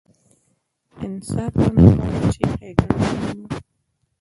انصاف رانه غواړي چې ښېګڼې وینو.